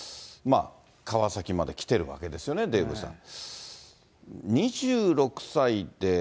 川崎まで来てるわけですよね、デーブさん。